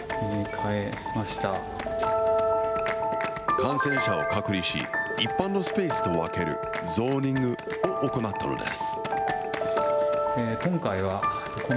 感染者を隔離し、一般のスペースと分ける、ゾーニングを行ったのです。